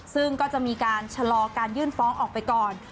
ซึ่งก็จะมีการชะลอการยื่นฟ้องออกไปก่อน